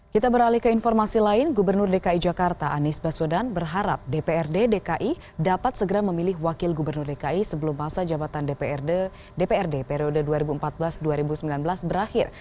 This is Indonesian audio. kita beralih ke informasi lain gubernur dki jakarta anies baswedan berharap dprd dki dapat segera memilih wakil gubernur dki sebelum masa jabatan dprd periode dua ribu empat belas dua ribu sembilan belas berakhir